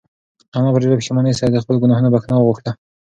انا په ډېرې پښېمانۍ سره د خپلو گناهونو بښنه وغوښته.